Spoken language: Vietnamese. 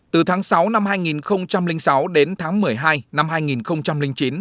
từ tháng sáu năm hai nghìn sáu đến tháng một mươi hai năm hai nghìn chín